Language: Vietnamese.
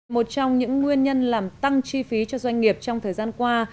một trong những nguyên nhân làm tăng chi phí cho doanh nghiệp trong thời gian qua